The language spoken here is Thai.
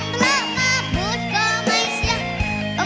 อมระมาพูดก็ไม่เชื่อ